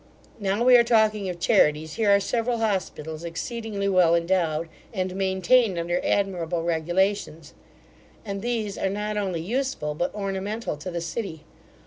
Now we are talking of charities, here are several hospitals, exceedingly well endowed, and maintained under admirable regulations; and these are not only useful, but ornamental to the city.